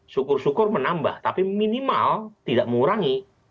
syukur syukur menambah tapi minimal tidak mengurangi